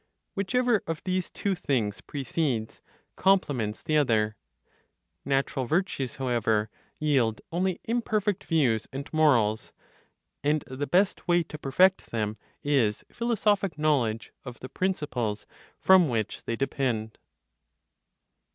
Whichever of these two things precedes, complements the other. Natural virtues, however, yield only imperfect views and morals; and the best way to perfect them, is philosophic knowledge of the principles from which they depend.